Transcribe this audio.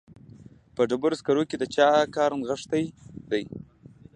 په ډبرو سکرو کې د چا کار نغښتی دی